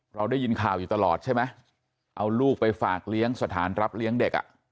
เราได้ยินข่าวอยู่ตลอดใช่ไหมเอาลูกไปฝากเลี้ยงสถานรับเลี้ยงเด็กอ่ะ